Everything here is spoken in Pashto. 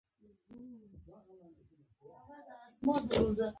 ما وپوښتل: ورموت څښې؟